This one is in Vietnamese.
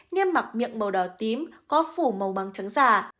niêm mặc miệng màu đỏ tím có phủ màu băng trắng giả